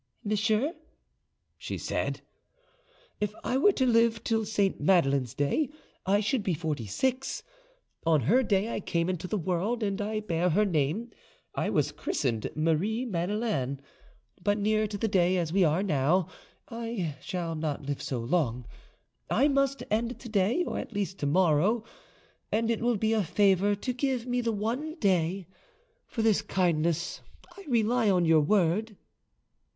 'Monsieur,' she said, 'if I were to live till Sainte Madeleine's day I should be forty six. On her day I came into the world, and I bear her name. I was christened Marie Madeleine. But near to the day as we now are, I shall not live so long: I must end to day, or at latest to morrow, and it will be a favour to give me the one day. For this kindness I rely on your word.